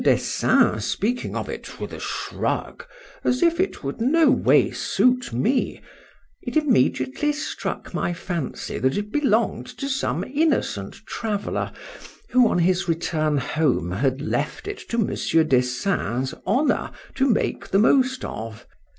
Dessein speaking of it, with a shrug, as if it would no way suit me, it immediately struck my fancy that it belong'd to some Innocent Traveller, who, on his return home, had left it to Mons. Dessein's honour to make the most of.